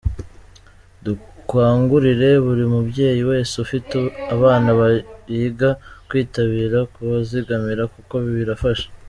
Dukangurira buri mubyeyi wese ufite abana biga kwitabira kubazigamira kuko birafasha.